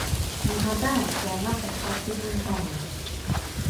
Нагадаем, што яна прайшла тыдзень таму.